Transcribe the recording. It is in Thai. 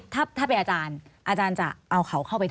ถ้าเป็นอาจารย์อาจารย์จะเอาเขาเข้าไปได้